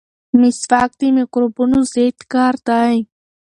مسواک د مکروبونو ضد کار کوي.